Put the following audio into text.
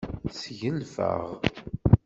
Sgelfeɣ.